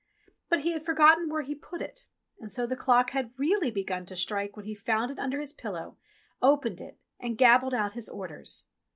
But he had forgotten where he had put it, and so the clock had really begun to strike before he found it under his pillow, opened it, and gabbled out his orders.